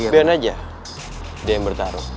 biar aja dia yang bertarung